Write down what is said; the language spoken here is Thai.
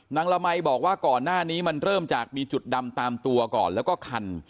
ละมัยบอกว่าก่อนหน้านี้มันเริ่มจากมีจุดดำตามตัวก่อนแล้วก็คัน